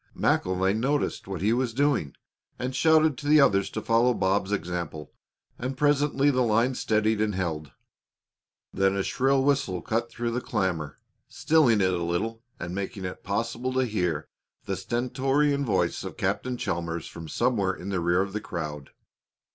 MacIlvaine noticed what he was doing, and shouted to the others to follow Bob's example; and presently the line steadied and held. Then a shrill whistle cut through the clamor, stilling it a little and making it possible to hear the stentorian voice of Captain Chalmers from somewhere in the rear of the crowd.